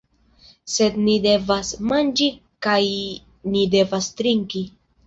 Sed ni devas manĝi kaj ni devas trinki.